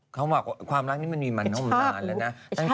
เขาบอกความรักนี้มันมีมานมนานแล้วนะ